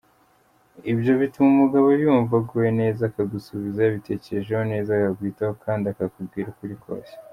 Ibyo bituma umugabo yumva aguwe neza akagusubiza yabitekerejeho neza, akakwitaho kandi akakubwira ukuri kose.